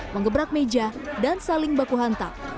mengebrak meja dan saling baku hanta